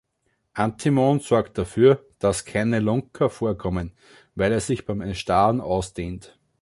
Antimon sorgt dafür, dass keine Lunker vorkommen, weil es sich beim Erstarren ausdehnt.